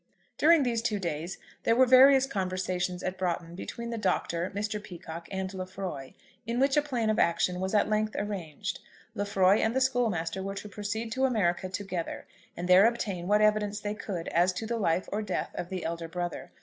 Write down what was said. During these two days there were various conversations at Broughton between the Doctor, Mr. Peacocke, and Lefroy, in which a plan of action was at length arranged. Lefroy and the schoolmaster were to proceed to America together, and there obtain what evidence they could as to the life or death of the elder brother.